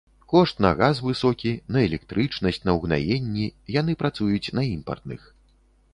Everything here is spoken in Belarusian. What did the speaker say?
Кошт на газ высокі, на электрычнасць, на ўгнаенні, яны працуюць на імпартных.